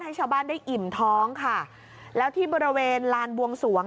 ให้ชาวบ้านได้อิ่มท้องค่ะแล้วที่บริเวณลานบวงสวง